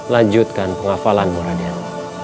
lanjutkan penghafalanmu raden